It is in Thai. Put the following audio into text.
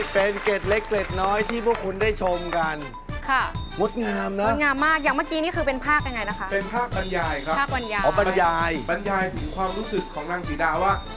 ปัญญาถึงความรู้สึกของนางศิรดาว่า